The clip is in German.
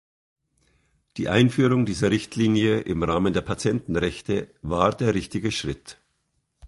Die Einführung dieser Richtlinie im Rahmen der Patientenrechte war der richtige Schritt.